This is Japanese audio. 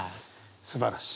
すばらしい。